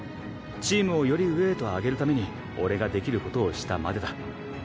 チームをより上へと上げるために俺が出来ることをしたまでだ。